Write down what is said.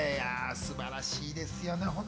素晴らしいですよね。